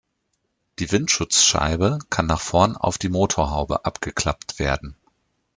Die Windschutzscheibe kann nach vorn auf die Motorhaube abgeklappt werden.